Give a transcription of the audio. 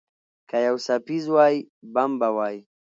که یو څپیز وای، بم به وای.